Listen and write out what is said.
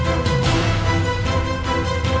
saya akan menjaga kebenaran raden